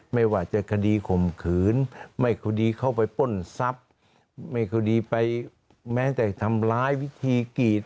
ไม่ว่าจะคดีข่มขืนไม่คดีเข้าไปป้นทรัพย์ไม่คดีไปแม้แต่ทำร้ายวิธีกรีด